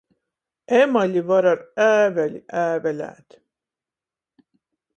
Emali var ar ēveli ēvelēt.